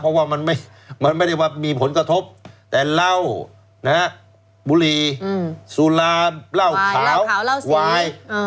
เพราะว่ามันไม่มันไม่ได้ว่ามีผลกระทบแต่เล่านะฮะบุหรี่อืมสุราเล่าขาวเล่าขาวเล่าสีวายอืม